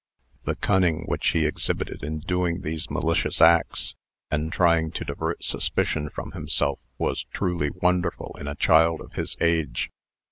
"The cunning which he exhibited in doing these malicious acts, and trying to divert suspicion from himself, was truly wonderful in a child of his age.